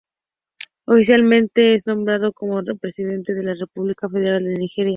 Oficialmente es nombrado como vicepresidente de la República Federal de Nigeria.